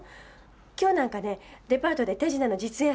今日なんかねデパートで手品の実演販売頼まれたの。